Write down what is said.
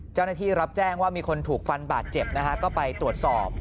เจ้าหน้าที่รับแจ้งว่ามีคนถูกฟันบาดเจ็บนะฮะก็ไปตรวจสอบ